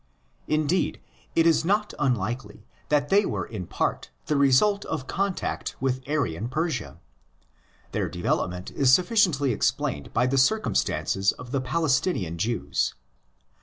Indeed, it is not unlikely that they were in part the result of contact with Aryan Persia. Their development is sufficiently explained by the circum stances of the Palestinian Jews.